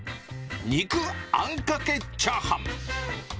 肉あんかけチャーハン。